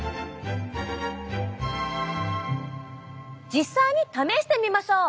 実際に試してみましょう！